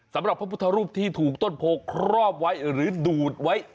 พระพุทธรูปที่ถูกต้นโพครอบไว้หรือดูดไว้